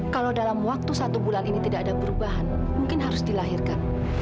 kalau dalam waktu satu bulan ini tidak ada perubahan mungkin harus dilahirkan